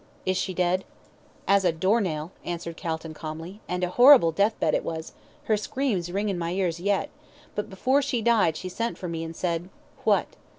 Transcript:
"Is she dead?" "As a door nail," answered Calton calmly. "And a horrible death bed it was her screams ring in my ears yet but before she died she sent for me, and said " "What?"